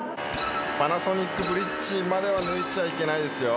パナソニックブリッジまでは抜いちゃいけないですよ。